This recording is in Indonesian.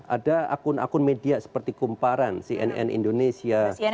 ada akun akun media seperti kumparan cnn indonesia